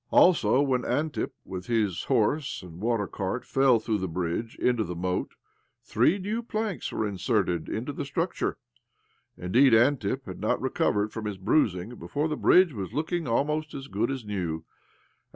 Also, when Antip, with his horse and water cart, fell through the bridge into the moat three new planks were inserted into the structure ! Indeed, Antip had not recovered from his bruising before the bridge was looking almost as good as new